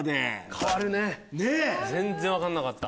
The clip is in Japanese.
変わるね全然分かんなかった。